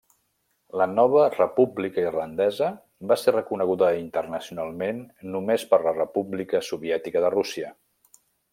La nova República Irlandesa va ser reconeguda internacionalment només per la República Soviètica de Rússia.